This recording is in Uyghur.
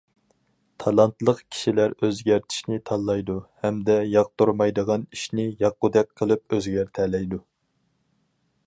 تالانتلىق كىشىلەر ئۆزگەرتىشنى تاللايدۇ ھەمدە ياقتۇرمايدىغان ئىشنى ياققۇدەك قىلىپ ئۆزگەرتەلەيدۇ.